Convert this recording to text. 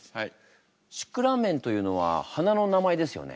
「シクラメン」というのは花の名前ですよね？